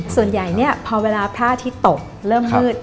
ส่วนใหญ่เนี่ยพอเวลาพระอาทิตย์ตกเริ่มมืด